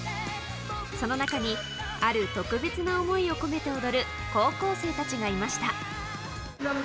その中に、ある特別な想いを込めて踊る、高校生たちがいました。